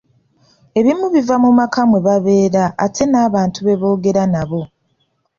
Ebimu biva mu maka mwe babeera ate n'abantu be boogera nabo.